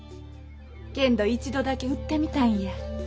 けんど一度だけ撃ってみたいんや。